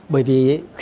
bởi vì khi người ta